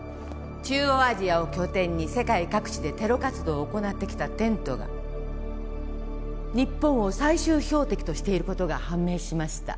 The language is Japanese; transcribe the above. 中央アジアを拠点に世界各地でテロ活動を行ってきたテントが日本を最終標的としていることが判明しました